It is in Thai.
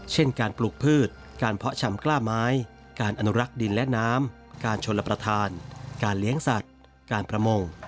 เช่นการปลูกพืชการเพาะชำกล้าไม้การอนุรักษ์ดินและน้ำการชนรับประทานการเลี้ยงสัตว์การประมง